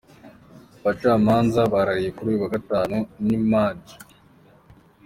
Abacamanza barahiye kuri uyu wa Gatanu ni Maj.